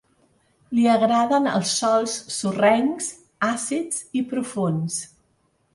Li agraden els sòls sorrencs, àcids i profunds.